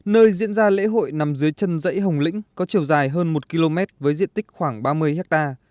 nơi diễn ra lễ hội nằm dưới chân dãy hồng lĩnh có chiều dài hơn một km với diện tích khoảng ba mươi ha